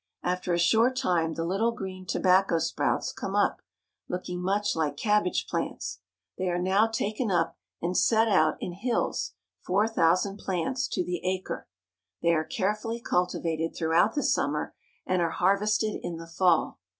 After a short time the Httle green tobacco sprouts come up, looking much Hke cabbage plants. They are now taken up and set out in hills, four thousand plants to the acre. They are carefully cultivated throughout the summer and are harvested in the fall.